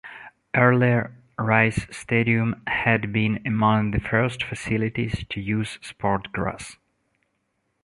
Earlier, Rice Stadium had been among the first facilities to use SportGrass.